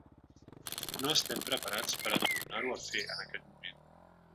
No estem preparats per a tornar-ho a fer, en aquest moment.